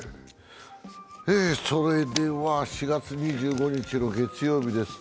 それでは４月２５日の月曜日です。